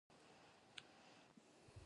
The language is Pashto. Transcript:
په ناسمو ډول کيناستل د شرم لامل کېږي.